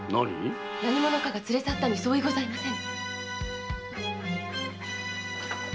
何者かが連れさったに相違ございません。